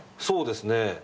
そうですね。